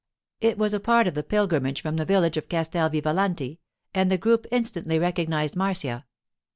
It was a part of the pilgrimage from the village of Castel Vivalanti, and the group instantly recognized Marcia.